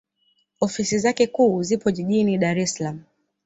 Ofisi zake kuu zipo Jijini Dar es Salaam.